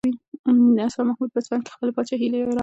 شاه محمود په اصفهان کې خپله پاچاهي اعلان کړه.